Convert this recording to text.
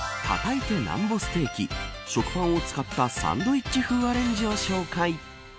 叩いてなんぼステーキ食パンを使ったサンドイッチ風アレンジレシピをご紹介。